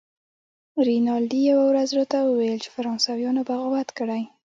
رینالډي یوه ورځ راته وویل چې فرانسویانو بغاوت کړی.